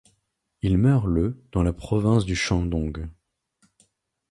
Il meurt le dans la province du Shandong.